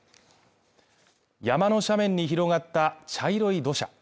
山の斜面に広がった茶色い土砂。